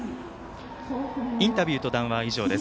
インタビューと談話は以上です。